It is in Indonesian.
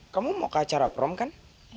kamu mau ke acara prom kan